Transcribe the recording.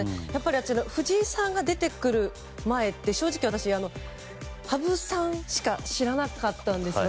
やっぱり、藤井さんが出てくる前って正直私、羽生さんしか知らなかったんですね。